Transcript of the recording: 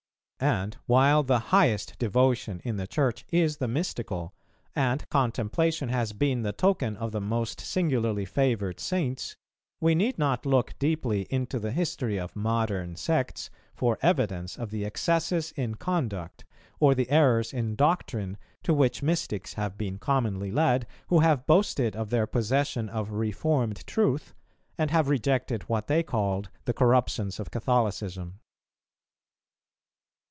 And while the highest devotion in the Church is the mystical, and contemplation has been the token of the most singularly favoured Saints, we need not look deeply into the history of modern sects, for evidence of the excesses in conduct, or the errors in doctrine, to which mystics have been commonly led, who have boasted of their possession of reformed truth, and have rejected what they called the corruptions of Catholicism.